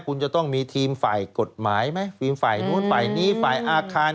คุณจะต้องมีทีมฝ่ายกฎหมายไหมทีมฝ่ายนู้นฝ่ายนี้ฝ่ายอาคาร